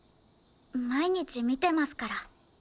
毎日見てますから。